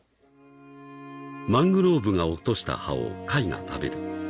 ［マングローブが落とした葉を貝が食べる］